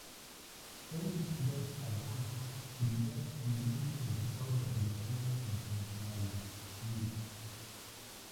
Felix Drake Alfonso, primer y único Director de Relaciones Internacionales; Lic.